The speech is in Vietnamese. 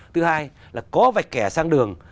thứ hai là có vạch kẻ sang đường